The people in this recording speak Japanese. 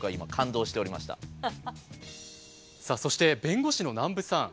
さあそして弁護士の南部さん。